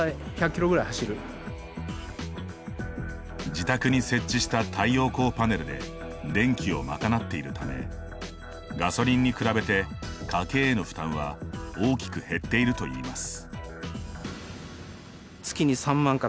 自宅に設置した太陽光パネルで電気を賄っているためガソリンに比べて家計への負担は大きく減っているといいます。